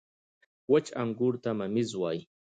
• وچ انګور ته مميز وايي.